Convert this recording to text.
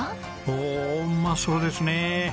おおうまそうですね。